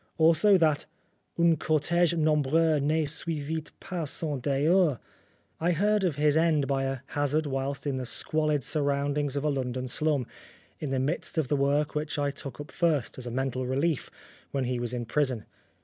Also that " im cortege nomhreux ne suivit pas son deuil ." I heard of his end by a hazard whilst in the squalid surroundings . of a London slum, in the midst of the work which I took up first, as a mental relief, when he was in prison.